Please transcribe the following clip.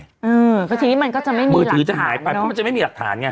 พอทีนี้มันก็จะไม่มีหลักฐานเนอะมือถือจะหายไปเพราะมันจะไม่มีหลักฐานไงอืม